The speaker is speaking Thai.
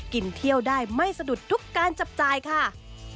กินเที่ยวได้ไม่สะดุดทุกการจับจ่ายค่ะ